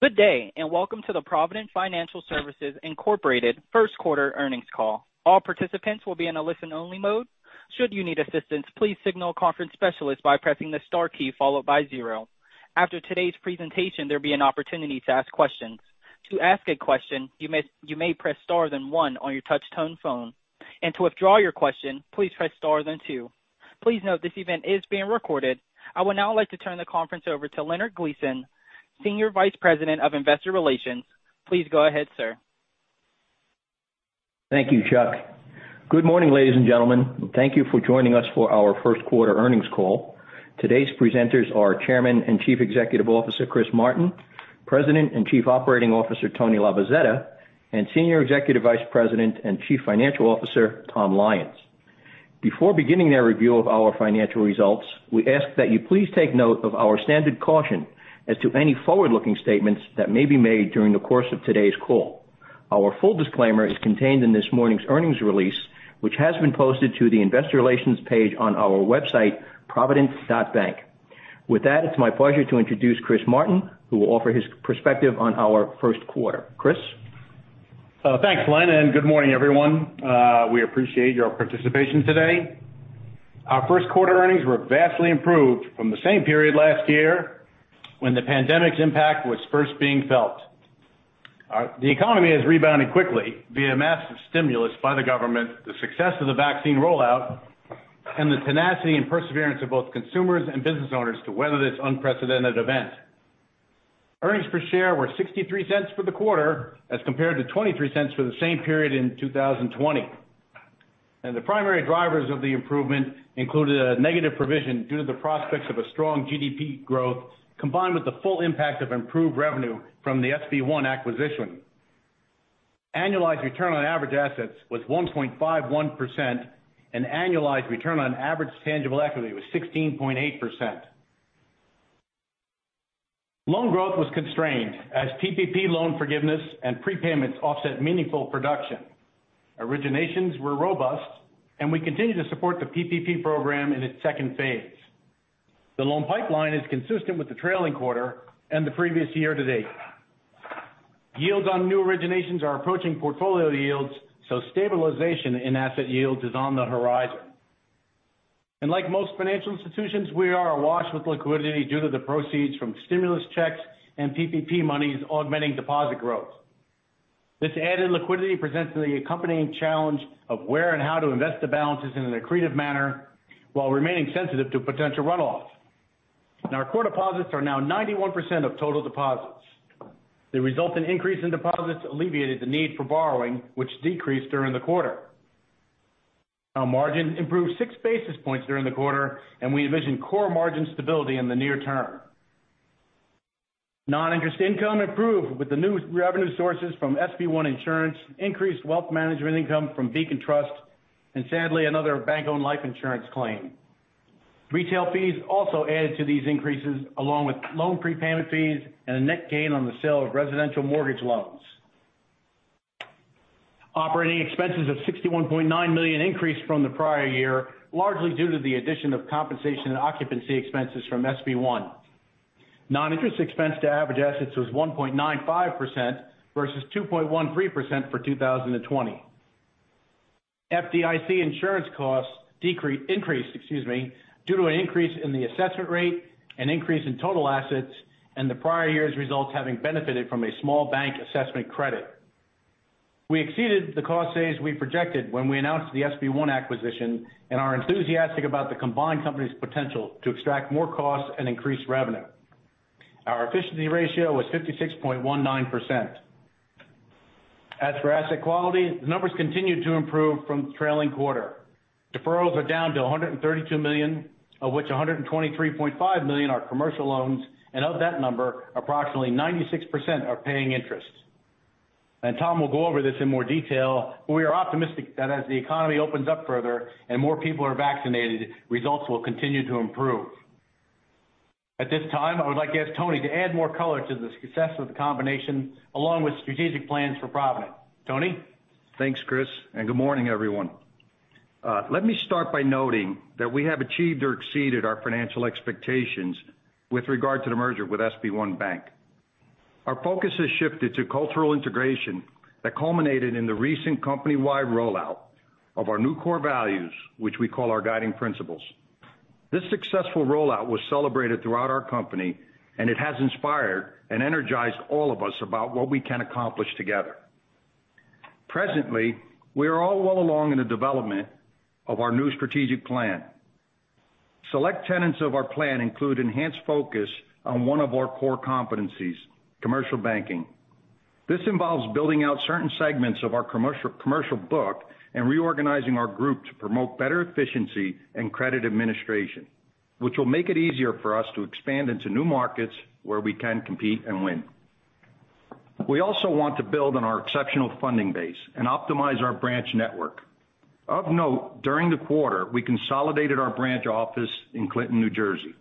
Good day, and welcome to the Provident Financial Services Incorporated first quarter earnings call. All participants will be on a listen-only mode, should you need assistance, please signal conference specialist by pressing the star key followed by zero. After today's presentation there will be an opportunity to ask a question. To ask a question, you may press star then one on your touchtone phone, and to withdraw your question, please press star then two. Please note that this event is being recorded. I would now like to turn the conference over to Leonard Gleason, Senior Vice President of Investor Relations. Please go ahead, sir. Thank you, Chuck. Good morning, ladies and gentlemen. Thank you for joining us for our first quarter earnings call. Today's presenters are Chairman and Chief Executive Officer, Chris Martin, President and Chief Operating Officer, Tony Labozzetta, and Senior Executive Vice President and Chief Financial Officer, Tom Lyons. Before beginning their review of our financial results, we ask that you please take note of our standard caution as to any forward-looking statements that may be made during the course of today's call. Our full disclaimer is contained in this morning's earnings release, which has been posted to the investor relations page on our website, provident.bank. With that, it's my pleasure to introduce Chris Martin, who will offer his perspective on our first quarter. Chris? Thanks, Len, and good morning, everyone. We appreciate your participation today. Our first quarter earnings were vastly improved from the same period last year when the pandemic's impact was first being felt. The economy has rebounded quickly via massive stimulus by the government, the success of the vaccine rollout, and the tenacity and perseverance of both consumers and business owners to weather this unprecedented event. Earnings per share were $0.63 for the quarter as compared to $0.23 for the same period in 2020. The primary drivers of the improvement included a negative provision due to the prospects of a strong GDP growth, combined with the full impact of improved revenue from the SB One acquisition. Annualized return on average assets was 1.51%, and annualized return on average tangible equity was 16.8%. Loan growth was constrained as PPP loan forgiveness and prepayments offset meaningful production. Originations were robust, and we continue to support the PPP program in its second phase. The loan pipeline is consistent with the trailing quarter and the previous year to date. Yields on new originations are approaching portfolio yields, so stabilization in asset yields is on the horizon. Like most financial institutions, we are awash with liquidity due to the proceeds from stimulus checks and PPP monies augmenting deposit growth. This added liquidity presents the accompanying challenge of where and how to invest the balances in an accretive manner while remaining sensitive to potential runoff. Our core deposits are now 91% of total deposits. The result in increase in deposits alleviated the need for borrowing, which decreased during the quarter. Our margin improved 6 basis points during the quarter, and we envision core margin stability in the near term. Non-interest income improved with the new revenue sources from SB One Insurance, increased wealth management income from Beacon Trust, and sadly another bank-owned life insurance claim. Retail fees also added to these increases, along with loan prepayment fees and a net gain on the sale of residential mortgage loans. Operating expenses of $61.9 million increased from the prior year, largely due to the addition of compensation and occupancy expenses from SB One. Non-interest expense to average assets was 1.95%, versus 2.13% for 2020. FDIC insurance costs increased due to an increase in the assessment rate, an increase in total assets, and the prior year's results having benefited from a small bank assessment credit. We exceeded the cost savings we projected when we announced the SB One acquisition and are enthusiastic about the combined company's potential to extract more costs and increase revenue. Our efficiency ratio was 56.19%. As for asset quality, the numbers continued to improve from the trailing quarter. Deferrals are down to $132 million, of which $123.5 million are commercial loans, and of that number, approximately 96% are paying interest. Tom will go over this in more detail, but we are optimistic that as the economy opens up further and more people are vaccinated, results will continue to improve. At this time, I would like to ask Tony to add more color to the success of the combination, along with strategic plans for Provident. Tony? Thanks, Chris, and good morning, everyone. Let me start by noting that we have achieved or exceeded our financial expectations with regard to the merger with SB One Bank. Our focus has shifted to cultural integration that culminated in the recent company-wide rollout of our new core values, which we call our guiding principles. This successful rollout was celebrated throughout our company, and it has inspired and energized all of us about what we can accomplish together. Presently, we are all well along in the development of our new strategic plan. Select tenets of our plan include enhanced focus on one of our core competencies, commercial banking. This involves building out certain segments of our commercial book and reorganizing our group to promote better efficiency and credit administration, which will make it easier for us to expand into new markets where we can compete and win. We also want to build on our exceptional funding base and optimize our branch network. Of note, during the quarter, we consolidated our branch office in Clinton, New Jersey.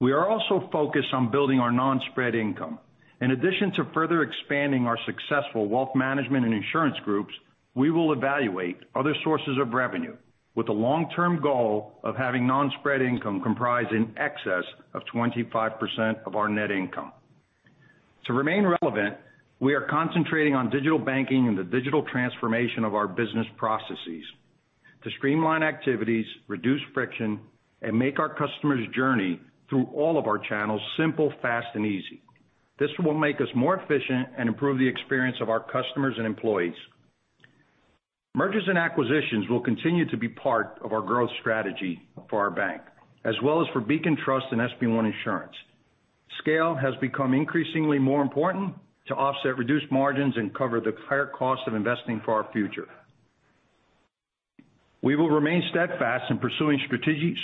We are also focused on building our non-spread income. In addition to further expanding our successful wealth management and insurance groups. We will evaluate other sources of revenue with the long-term goal of having non-spread income comprised in excess of 25% of our net income. To remain relevant, we are concentrating on digital banking and the digital transformation of our business processes to streamline activities, reduce friction, and make our customer's journey through all of our channels simple, fast, and easy. This will make us more efficient and improve the experience of our customers and employees. Mergers and acquisitions will continue to be part of our growth strategy for our bank, as well as for Beacon Trust and SB One Insurance. Scale has become increasingly more important to offset reduced margins and cover the higher cost of investing for our future. We will remain steadfast in pursuing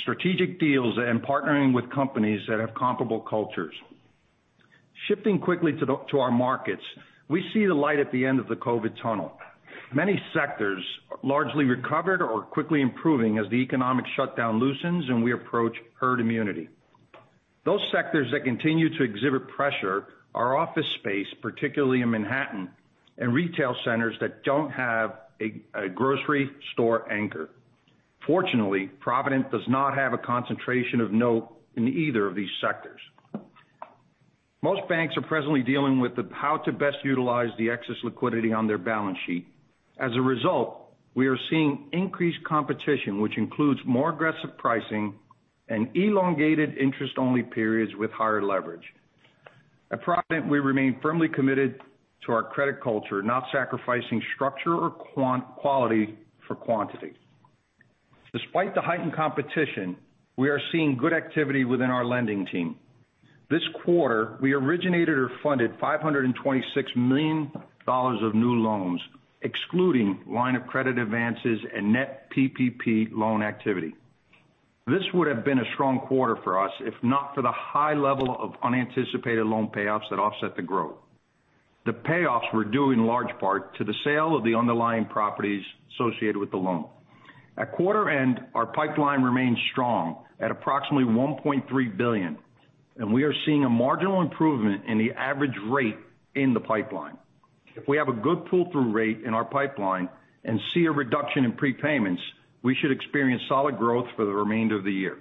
strategic deals and partnering with companies that have comparable cultures. Shifting quickly to our markets, we see the light at the end of the COVID tunnel. Many sectors largely recovered or are quickly improving as the economic shutdown loosens and we approach herd immunity. Those sectors that continue to exhibit pressure are office space, particularly in Manhattan, and retail centers that don't have a grocery store anchor. Fortunately, Provident does not have a concentration of note in either of these sectors. Most banks are presently dealing with how to best utilize the excess liquidity on their balance sheet. As a result, we are seeing increased competition, which includes more aggressive pricing and elongated interest-only periods with higher leverage. At Provident, we remain firmly committed to our credit culture, not sacrificing structure or quality for quantity. Despite the heightened competition, we are seeing good activity within our lending team. This quarter, we originated or funded $526 million of new loans, excluding line of credit advances and net PPP loan activity. This would've been a strong quarter for us if not for the high level of unanticipated loan payoffs that offset the growth. The payoffs were due in large part to the sale of the underlying properties associated with the loan. At quarter end, our pipeline remains strong at approximately $1.3 billion, and we are seeing a marginal improvement in the average rate in the pipeline. If we have a good pull-through rate in our pipeline and see a reduction in prepayments, we should experience solid growth for the remainder of the year.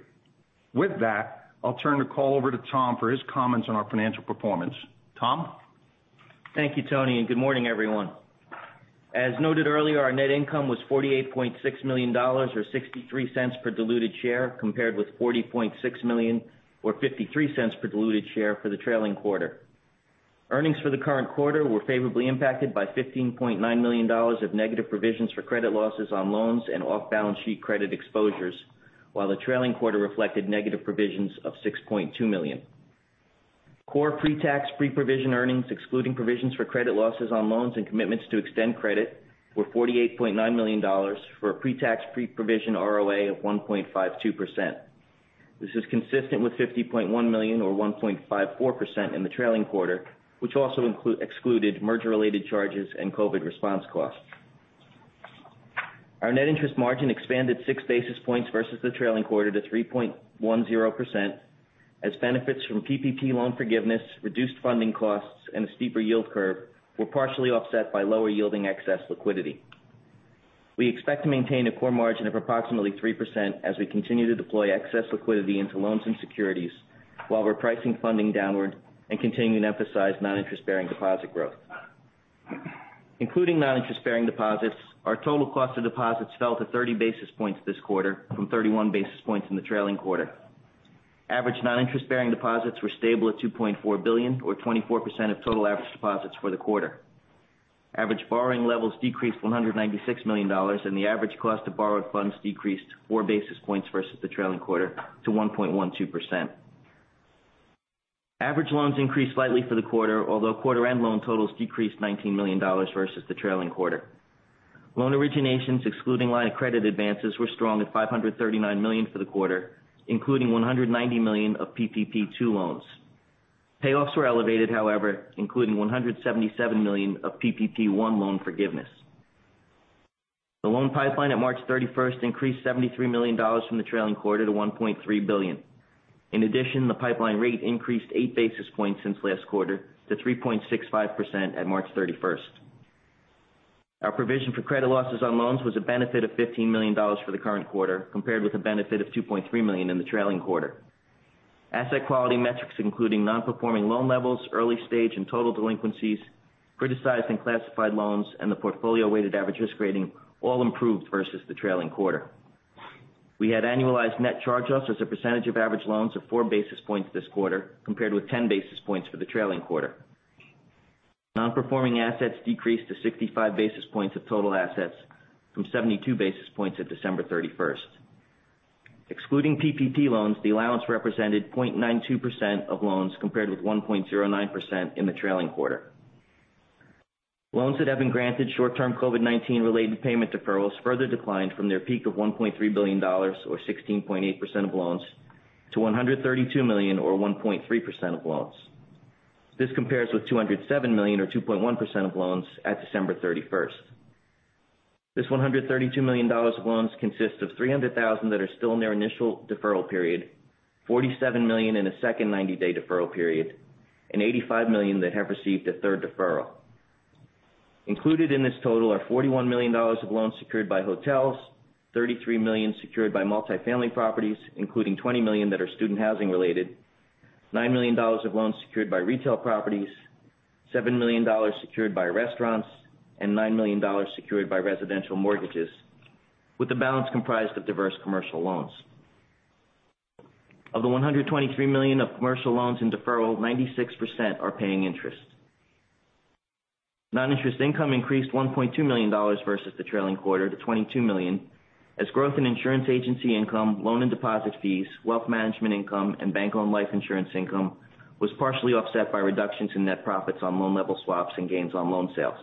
With that, I'll turn the call over to Tom for his comments on our financial performance. Tom? Thank you, Tony, and good morning, everyone. As noted earlier, our net income was $48.6 million or $0.63 per diluted share, compared with $40.6 million or $0.53 per diluted share for the trailing quarter. Earnings for the current quarter were favorably impacted by $15.9 million of negative provisions for credit losses on loans and off-balance-sheet credit exposures. While the trailing quarter reflected negative provisions of $6.2 million. Core pre-tax, pre-provision earnings, excluding provisions for credit losses on loans and commitments to extend credit, were $48.9 million, for a pre-tax, pre-provision ROA of 1.52%. This is consistent with $50.1 million or 1.54% in the trailing quarter, which also excluded merger-related charges and COVID response costs. Our net interest margin expanded 6 basis points versus the trailing quarter to 3.10%, as benefits from PPP loan forgiveness, reduced funding costs, and a steeper yield curve were partially offset by lower yielding excess liquidity. We expect to maintain a core margin of approximately 3% as we continue to deploy excess liquidity into loans and securities while we're pricing funding downward and continuing to emphasize non-interest-bearing deposit growth. Including non-interest-bearing deposits, our total cost of deposits fell to 30 basis points this quarter from 31 basis points in the trailing quarter. Average non-interest-bearing deposits were stable at $2.4 billion or 24% of total average deposits for the quarter. Average borrowing levels decreased $196 million, and the average cost of borrowed funds decreased 4 basis points versus the trailing quarter to 1.12%. Average loans increased slightly for the quarter, although quarter-end loan totals decreased $19 million versus the trailing quarter. Loan originations, excluding line of credit advances, were strong at $539 million for the quarter, including $190 million of PPP 2 loans. Payoffs were elevated, however, including $177 million of PPP 1 loan forgiveness. The loan pipeline at March 31st increased $73 million from the trailing quarter to $1.3 billion. In addition, the pipeline rate increased 8 basis points since last quarter to 3.65% at March 31st. Our provision for credit losses on loans was a benefit of $15 million for the current quarter, compared with a benefit of $2.3 million in the trailing quarter. Asset quality metrics including non-performing loan levels, early stage and total delinquencies, criticized and classified loans, and the portfolio weighted average risk rating all improved versus the trailing quarter. We had annualized net charge-offs as a percentage of average loans of 4 basis points this quarter, compared with 10 basis points for the trailing quarter. Non-performing assets decreased to 65 basis points of total assets from 72 basis points at December 31st. Excluding PPP loans, the allowance represented 0.92% of loans compared with 1.09% in the trailing quarter. Loans that have been granted short-term COVID-19 related payment deferrals further declined from their peak of $1.3 billion, or 16.8% of loans, to $132 million or 1.3% of loans. This compares with $207 million or 2.1% of loans at December 31st. This $132 million of loans consists of $300,000 that are still in their initial deferral period, $47 million in a second 90-day deferral period, and $85 million that have received a third deferral. Included in this total are $41 million of loans secured by hotels, $33 million secured by multi-family properties, including $20 million that are student housing related, $9 million of loans secured by retail properties, $7 million secured by restaurants, and $9 million secured by residential mortgages, with the balance comprised of diverse commercial loans. Of the $123 million of commercial loans in deferral, 96% are paying interest. Non-interest income increased $1.2 million versus the trailing quarter to $22 million. As growth in insurance agency income, loan and deposit fees, wealth management income, and bank-owned life insurance income was partially offset by reductions in net profits on loan level swaps and gains on loan sales.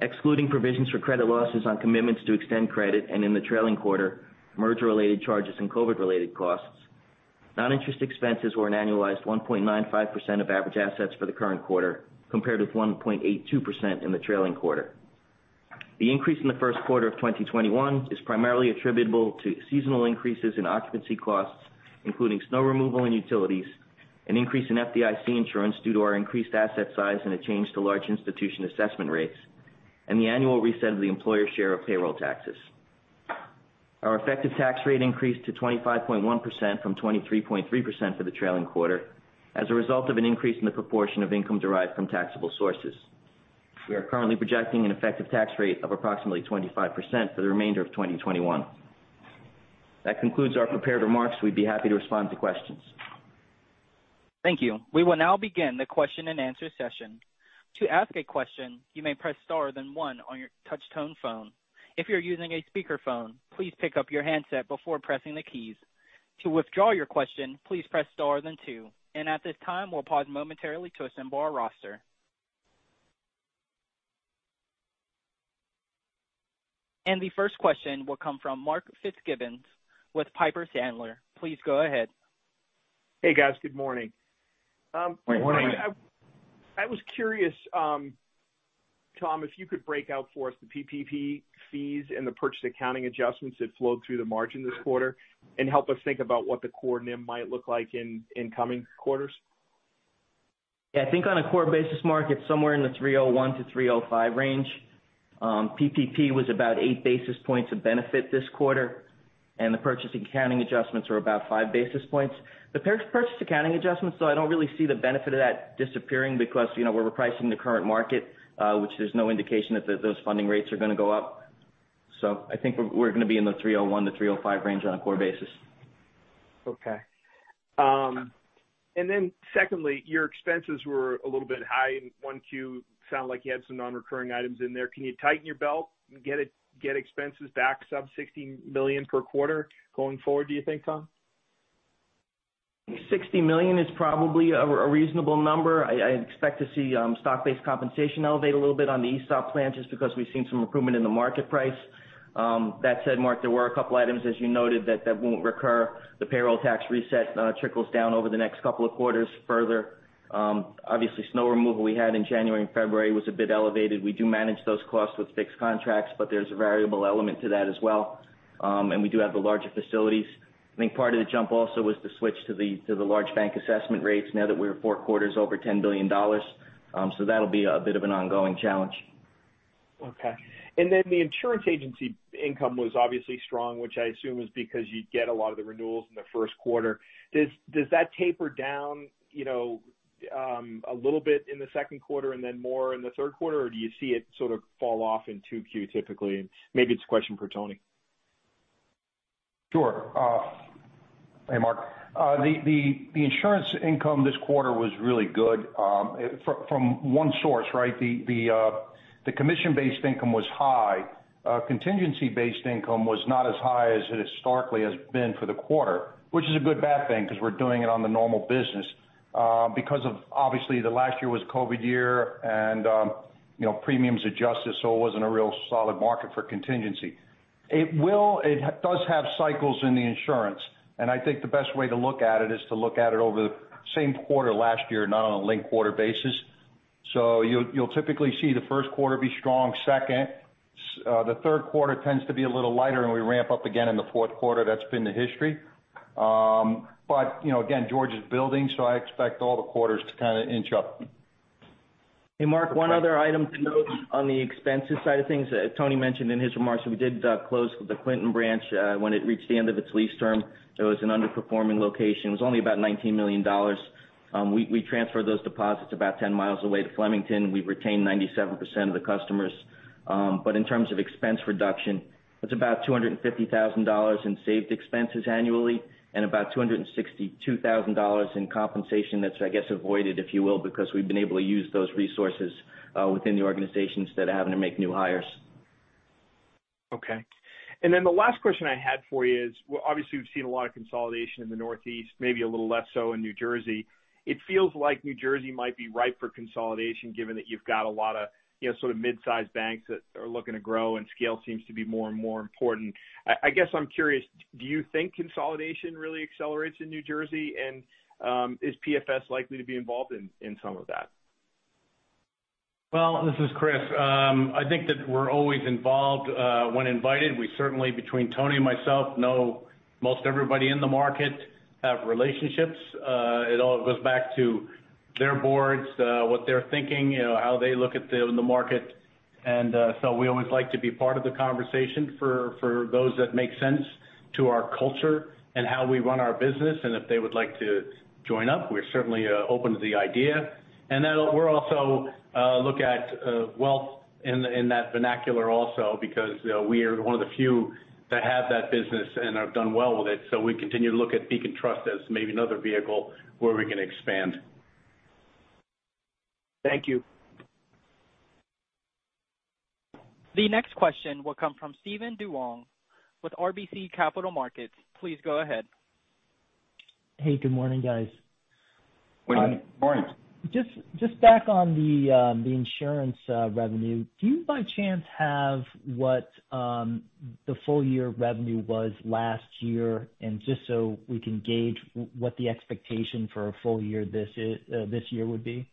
Excluding provisions for credit losses on commitments to extend credit, and in the trailing quarter, merger-related charges and COVID-related costs, non-interest expenses were an annualized 1.95% of average assets for the current quarter, compared with 1.82% in the trailing quarter. The increase in the first quarter of 2021 is primarily attributable to seasonal increases in occupancy costs, including snow removal and utilities, an increase in FDIC insurance due to our increased asset size and a change to large institution assessment rates, and the annual reset of the employer share of payroll taxes. Our effective tax rate increased to 25.1% from 23.3% for the trailing quarter, as a result of an increase in the proportion of income derived from taxable sources. We are currently projecting an effective tax rate of approximately 25% for the remainder of 2021. That concludes our prepared remarks. We'd be happy to respond to questions. Thank you. We will now begin the question and answer session. To ask a question, you may press star then one on your touchtone phone, if you're using a speakerphone, please pick up your handset before pressing the keys. To withdraw your question, please press star then two. At this time, we'll pause momentarily to assemble our roster. The first question will come from Mark Fitzgibbon with Piper Sandler. Please go ahead. Hey, guys. Good morning. Good morning. I was curious, Tom, if you could break out for us the PPP fees and the purchase accounting adjustments that flowed through the margin this quarter and help us think about what the core NIM might look like in coming quarters? Yeah, I think on a core basis, Mark, it's somewhere in the 301-305 range. PPP was about 8 basis points of benefit this quarter, and the purchase accounting adjustments were about 5 basis points. The purchase accounting adjustments, though, I don't really see the benefit of that disappearing because we're repricing the current market, which there's no indication that those funding rates are going to go up. I think we're going to be in the 301-305 range on a core basis. Okay. secondly, your expenses were a little bit high in 1Q. Sounded like you had some non-recurring items in there. Can you tighten your belt and get expenses back sub $60 million per quarter going forward, do you think, Tom? 60 million is probably a reasonable number. I expect to see stock-based compensation elevate a little bit on the ESOP plan just because we've seen some improvement in the market price. That said, Mark, there were a couple items, as you noted, that won't recur. The payroll tax reset trickles down over the next couple of quarters further. Obviously, snow removal we had in January and February was a bit elevated. We do manage those costs with fixed contracts, but there's a variable element to that as well. We do have the larger facilities. I think part of the jump also was the switch to the large bank assessment rates now that we're four quarters over $10 billion. That'll be a bit of an ongoing challenge. Okay. The insurance agency income was obviously strong, which I assume is because you get a lot of the renewals in the first quarter. Does that taper down a little bit in the second quarter and then more in the third quarter, or do you see it sort of fall off in 2Q typically? Maybe it's a question for Tony. Sure. Hey, Mark. The insurance income this quarter was really good. From one source, the commission-based income was high. Contingency-based income was not as high as it historically has been for the quarter, which is a good bad thing because we're doing it on the normal business. Because of, obviously, the last year was COVID year and premiums adjusted, so it wasn't a real solid market for contingency. It does have cycles in the insurance, and I think the best way to look at it is to look at it over the same quarter last year, not on a linked-quarter basis. You'll typically see the first quarter be strong, second. The third quarter tends to be a little lighter, and we ramp up again in the fourth quarter. That's been the history. Again, George is building, so I expect all the quarters to kind of inch up. Mark, one other item to note on the expenses side of things that Tony mentioned in his remarks, we did close the Clinton branch when it reached the end of its lease term. It was an underperforming location. It was only about $19 million. We transferred those deposits about 10 miles away to Flemington. We retained 97% of the customers. In terms of expense reduction, it's about $250,000 in saved expenses annually and about $262,000 in compensation that's, I guess, avoided, if you will, because we've been able to use those resources within the organization instead of having to make new hires. Okay. The last question I had for you is, obviously, we've seen a lot of consolidation in the Northeast, maybe a little less so in New Jersey. It feels like New Jersey might be ripe for consolidation given that you've got a lot of mid-sized banks that are looking to grow and scale seems to be more and more important. I guess I'm curious, do you think consolidation really accelerates in New Jersey? Is PFS likely to be involved in some of that? Well, this is Chris. I think that we're always involved when invited. We certainly, between Tony and myself, know most everybody in the market, have relationships. It all goes back to their boards, what they're thinking, how they look at the market. We always like to be part of the conversation for those that make sense to our culture and how we run our business. if they would like to join up, we're certainly open to the idea. We'll also look at wealth in that vernacular also because we are one of the few that have that business and have done well with it. we continue to look at Beacon Trust as maybe another vehicle where we can expand. Thank you. The next question will come from Steven Duong with RBC Capital Markets. Please go ahead. Hey, good morning, guys. Morning. Morning. Just back on the insurance revenue. Do you by chance have what the full-year revenue was last year? Just so we can gauge what the expectation for a full year this year would be.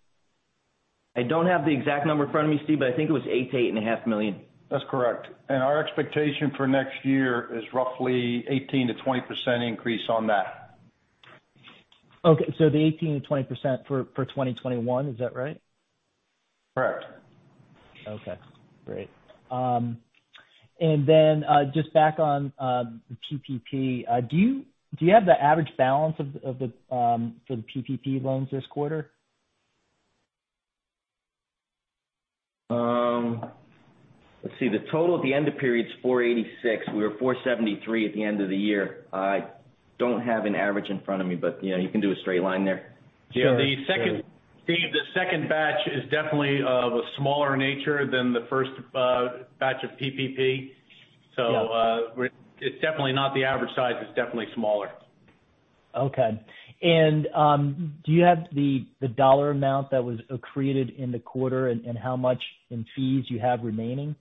I don't have the exact number in front of me, Steve, but I think it was $8 million-$8.5 million. That's correct. Our expectation for next year is roughly 18%-20% increase on that. Okay. The 18%-20% for 2021, is that right? Correct. Okay, great. Then just back on the PPP. Do you have the average balance for the PPP loans this quarter? Let's see. The total at the end of period is 486. We were 473 at the end of the year. I don't have an average in front of me, but you can do a straight line there. Steve, the second batch is definitely of a smaller nature than the first batch of PPP. Yeah. It's definitely not the average size. It's definitely smaller. Okay. Do you have the dollar amount that was accreted in the quarter and how much in fees you have remaining?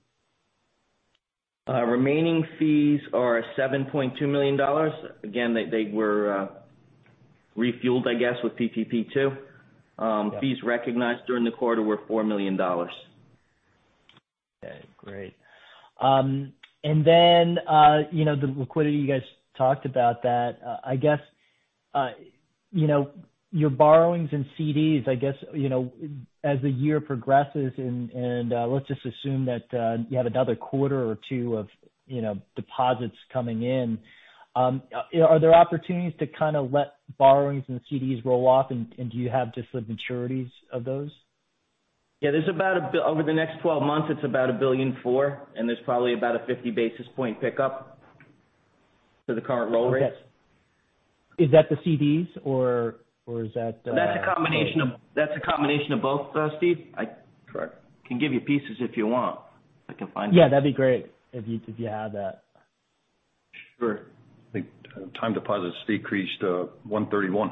Remaining fees are $7.2 million. Again, they were refueled, I guess, with PPP 2. Yeah. Fees recognized during the quarter were $4 million. Okay, great. The liquidity, you guys talked about that. I guess your borrowings and CDs, I guess, as the year progresses and let's just assume that you have another quarter or two of deposits coming in. Are there opportunities to kind of let borrowings and CDs roll off, and do you have just the maturities of those? Yeah. Over the next 12 months, it's about $1.4 billion, and there's probably about a 50 basis point pickup to the current low rates. Okay. Is that the CDs or is that. That's a combination of both, Steve. That's right. I can give you pieces if you want. I can find that. Yeah, that'd be great if you have that. Sure. I think time deposits decreased 131.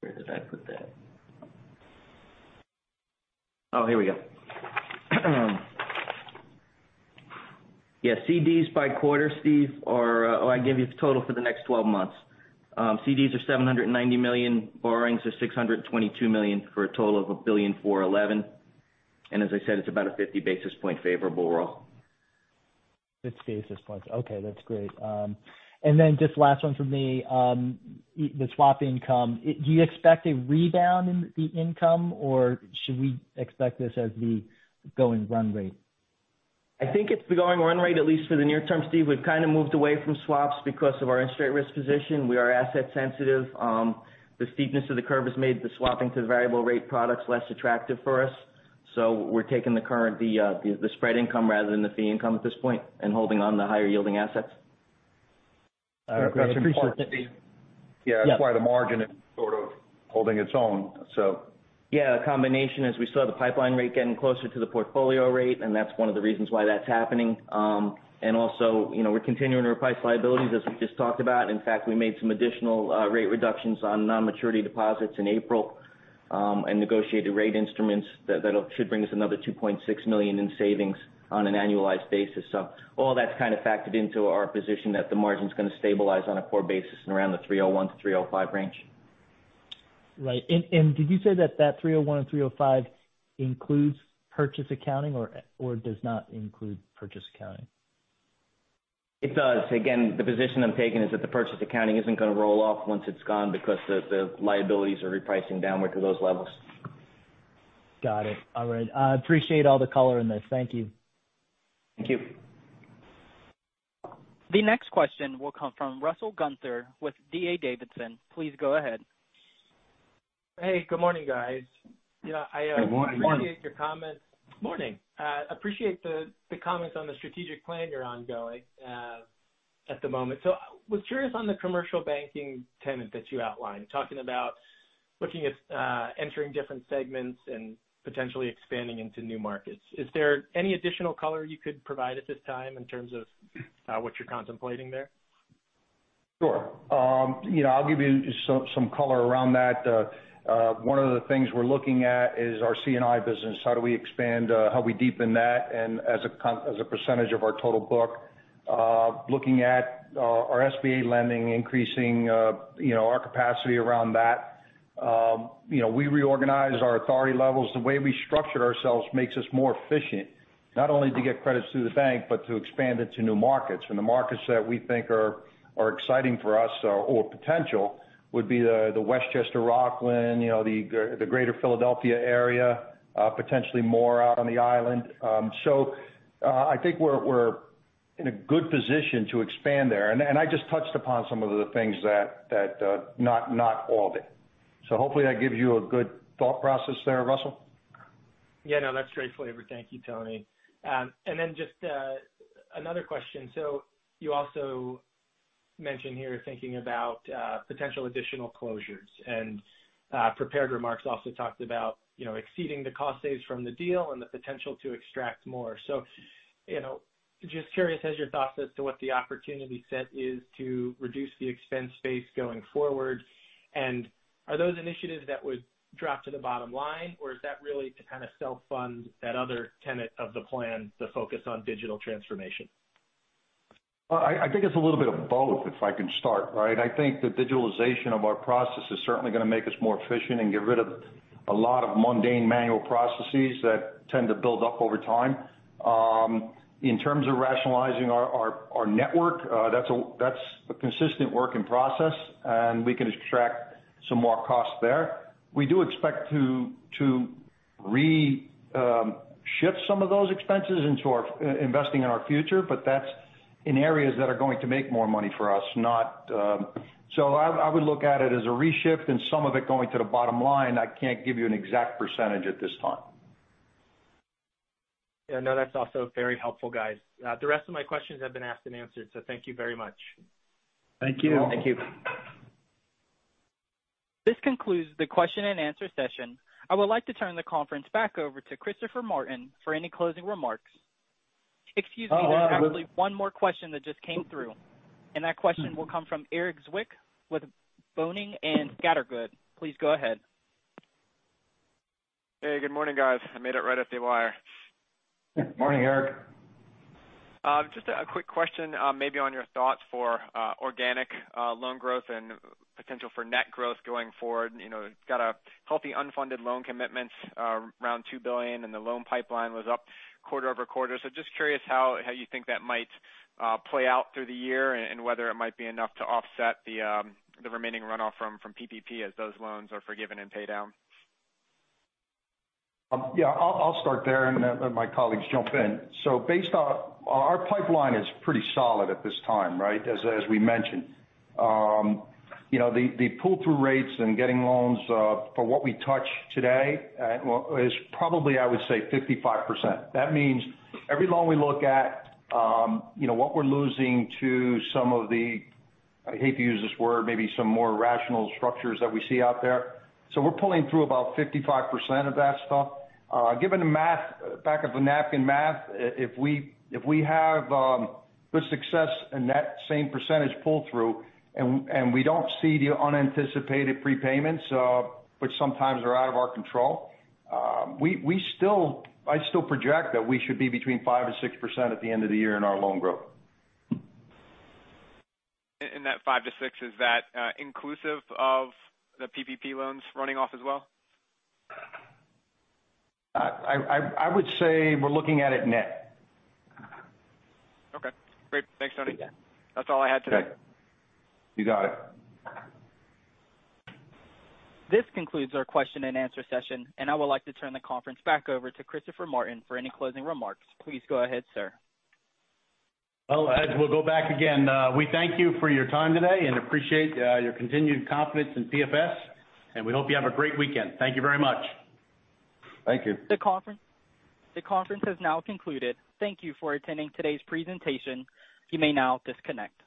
Where did I put that? Oh, here we go. Yeah, CDs by quarter, Steve. Oh, I gave you the total for the next 12 months. CDs are $790 million. Borrowings are $622 million for a total of $1.411 billion. as I said, it's about a 50 basis point favorable roll. 50 basis points. Okay, that's great. just last one from me. The swap income. Do you expect a rebound in the income, or should we expect this as the going run rate? I think it's the going run rate, at least for the near term, Steve. We've kind of moved away from swaps because of our interest rate risk position. We are asset sensitive. The steepness of the curve has made the swapping to variable rate products less attractive for us. We're taking the spread income rather than the fee income at this point and holding on to higher yielding assets. Great. Thanks. Yeah. That's why the margin is sort of holding its own, so. Yeah. A combination as we saw the pipeline rate getting closer to the portfolio rate, and that's one of the reasons why that's happening. Also, we're continuing to reprice liabilities, as we just talked about. In fact, we made some additional rate reductions on non-maturity deposits in April and negotiated rate instruments that should bring us another $2.6 million in savings on an annualized basis. All that's kind of factored into our position that the margin's going to stabilize on a core basis and around the 301-305 range. Right. Did you say that 301-305 includes purchase accounting or does not include purchase accounting? It does. Again, the position I'm taking is that the purchase accounting isn't going to roll off once it's gone because the liabilities are repricing downward to those levels. Got it. All right. I appreciate all the color in this. Thank you. Thank you. The next question will come from Russell Gunther with D.A. Davidson. Please go ahead. Hey, good morning, guys. Good morning. I appreciate your comments. Morning. I appreciate the comments on the strategic plan you're ongoing at the moment. I was curious on the commercial banking tenet that you outlined, talking about looking at entering different segments and potentially expanding into new markets. Is there any additional color you could provide at this time in terms of what you're contemplating there? Sure. I'll give you some color around that. One of the things we're looking at is our C&I business. How do we expand? How do we deepen that and as a percentage of our total book? Looking at our SBA lending, increasing our capacity around that. We reorganized our authority levels. The way we structured ourselves makes us more efficient, not only to get credits through the bank, but to expand into new markets. The markets that we think are exciting for us, or potential, would be the Westchester, Rockland, the Greater Philadelphia area. Potentially more out on the Island. I think we're in a good position to expand there, and I just touched upon some of the things that, not all of it. Hopefully that gives you a good thought process there, Russell. Yeah, no, that's very clear. Thank you, Tony. Then just another question. You also mentioned here thinking about potential additional closures, and prepared remarks also talked about exceeding the cost saves from the deal and the potential to extract more. Just curious as your thoughts as to what the opportunity set is to reduce the expense base going forward, and are those initiatives that would drop to the bottom line, or is that really to kind of self-fund that other tenet of the plan to focus on digital transformation? I think it's a little bit of both, if I can start, right? I think the digitalization of our process is certainly going to make us more efficient and get rid of a lot of mundane manual processes that tend to build up over time. In terms of rationalizing our network, that's a consistent work in process, and we can extract some more costs there. We do expect to re-shift some of those expenses into investing in our future, but that's in areas that are going to make more money for us. I would look at it as a re-shift and some of it going to the bottom line. I can't give you an exact percentage at this time. Yeah, no, that's also very helpful, guys. The rest of my questions have been asked and answered, so thank you very much. Thank you. Thank you. This concludes the question and answer session. I would like to turn the conference back over to Christopher Martin for any closing remarks. Excuse me, there's actually one more question that just came through. That question will come from Erik Zwick with Boenning & Scattergood. Please go ahead. Hey, good morning, guys. I made it right up the wire. Morning, Erik. Just a quick question maybe on your thoughts for organic loan growth and potential for net growth going forward. Got a healthy unfunded loan commitments around $2 billion, and the loan pipeline was up quarter-over-quarter. Just curious how you think that might play out through the year, and whether it might be enough to offset the remaining runoff from PPP as those loans are forgiven and paid down. I'll start there and let my colleagues jump in. Our pipeline is pretty solid at this time, right? As we mentioned. The pull-through rates and getting loans for what we touch today is probably, I would say, 55%. That means every loan we look at, what we're losing to some of the, I hate to use this word, maybe some more rational structures that we see out there. We're pulling through about 55% of that stuff. Given the math, the back of the napkin math, if we have the success in that same percentage pull-through and we don't see the unanticipated prepayments, which sometimes are out of our control, I still project that we should be between 5%-6% at the end of the year in our loan growth. That 5%-6%, is that inclusive of the PPP loans running off as well? I would say we're looking at it net. Okay, great. Thanks, Tony. Yeah. That's all I had today. Okay. You got it. This concludes our question and answer session. I would like to turn the conference back over to Christopher Martin for any closing remarks. Please go ahead, sir. Well, as we'll go back again, we thank you for your time today and appreciate your continued confidence in PFS, and we hope you have a great weekend. Thank you very much. Thank you. The conference is now concluded. Thank you for attending today's presentation. You may now disconnect.